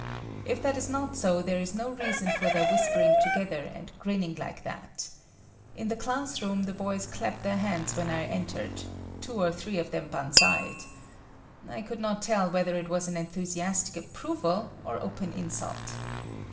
If that is not so, there is no reason for their whispering together and grinning like that. In the class room, the boys clapped their hands when I entered; two or three of them banzaied. I could not tell whether it was an enthusiastic approval or open insult.